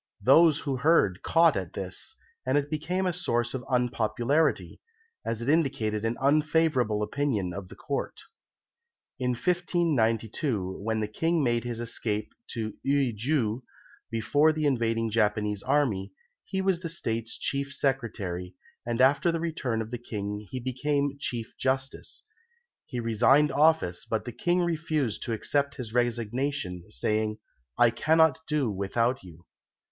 Those who heard caught at this, and it became a source of unpopularity, as it indicated an unfavourable opinion of the Court. In 1592, when the King made his escape to Eui ju, before the invading Japanese army, he was the State's Chief Secretary, and after the return of the King he became Chief Justice. He resigned office, but the King refused to accept his resignation, saying, "I cannot do without you."